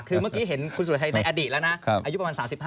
คือเมื่อกี้เห็นคุณสุรชัยในอดีตแล้วนะอายุประมาณ๓๕